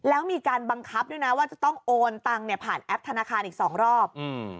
แล้วมีการบังคับด้วยนะว่าจะต้องโอนตังเนี่ยผ่านแอปธนาคารอีกสองรอบอืม